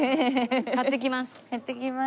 買ってきます。